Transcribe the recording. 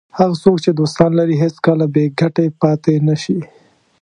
هغه څوک چې دوستان لري هېڅکله بې ګټې پاتې نه شي.